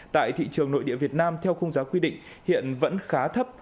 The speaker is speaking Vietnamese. tại thị trường nội địa việt nam theo khung giá quy định hiện vẫn khá thấp